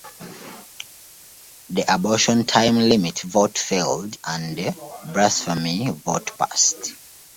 The abortion time limit vote failed and the blasphemy vote passed.